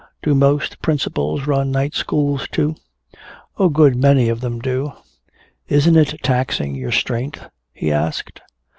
Do most principals run night schools too?" "A good many of them do." "Isn't it taxing your strength?" he asked.